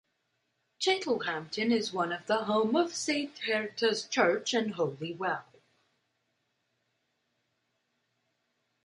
Chittlehampton is the home of Saint Hieritha's church and holy well.